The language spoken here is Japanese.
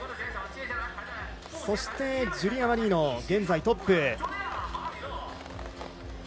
そして、ジュリア・マリーノ現在トップ。